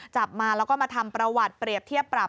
จับมาแล้วก็มาทำประวัติเปรียบเทียบปรับ